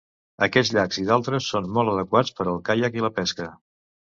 Aquests llacs i d'altres són molt adequats per al caiac i la pesca.